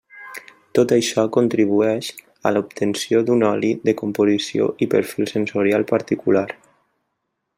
Tot això contribueix a l'obtenció d'un oli de composició i perfil sensorial particular.